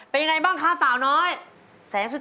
ต้องบอกเลยบอกว่าสู้สุดใจจริงเลยลูก